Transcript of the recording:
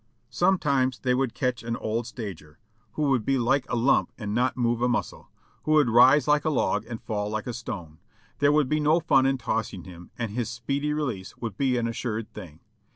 Sometimes thev would catch an old stager, who would be like 486 JOHNNY RKB AND BIIvLY YANK a lump and not move a muscle ; who would rise like a log and fall like a stone ; there would be no fun in tossing him, and his speedy release would be an assured thing.